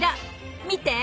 見て！